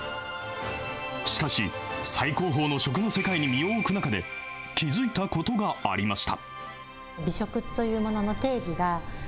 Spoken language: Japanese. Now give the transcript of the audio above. しかし、最高峰の食の世界に身を置く中で、気付いたことがありました。